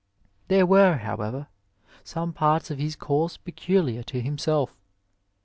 There weie, however, some parts of his course peculiar to himself.